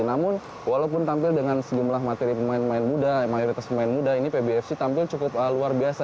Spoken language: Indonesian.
namun walaupun tampil dengan sejumlah materi pemain pemain muda mayoritas pemain muda ini pbfc tampil cukup luar biasa